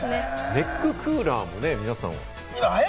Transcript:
ネッククーラーもね、皆さん。